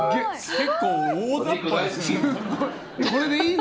結構おおざっぱですね。